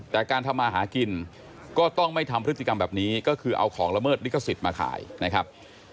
แต่การทำมาหากินก็ต้องไม่ทำพฤติกรรมแบบนี้ก็คือเอาของละเมิดลิขสิทธิ์มาขายนะครับ